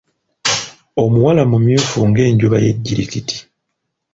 Omuwala mumyufu ng'enjuba y'ejjirikiti.